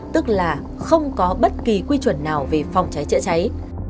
tức là không có bất kỳ quy chuẩn nào về phòng cháy chữa cháy